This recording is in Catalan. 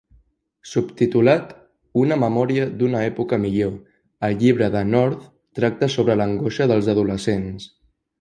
Subtitulat "una memòria d'una època millor", el llibre de North tracta sobre l'angoixa dels adolescents.